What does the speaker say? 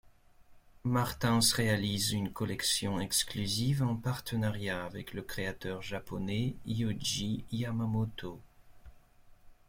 Martens réalise une collection exclusive en partenariat avec le créateur japonais Yohji Yamamoto.